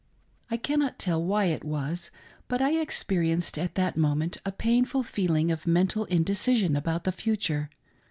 I cannot tell why it was, but I experienced at that moment a painful feeling of mental indecision about the future.